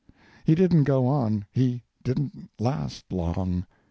He didn't go on—he didn't last long.